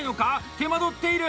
手間取っている！